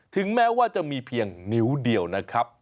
ถึงแม้ว่าจะมีเพียงนิ้วเดียวนะครับ